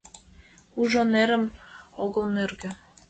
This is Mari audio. Ужо нерым — огыл нӧргӧ